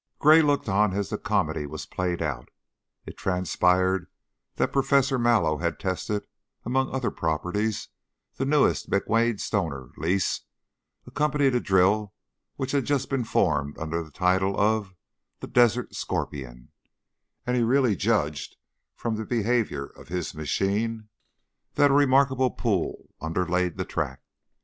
Gray looked on as the comedy was played out. It transpired that Professor Mallow had tested, among other properties, the newest McWade Stoner lease, a company to drill which had just been formed under the title of "The Desert Scorpion," and he really judged from the behavior of his machine that a remarkable pool underlaid the tract.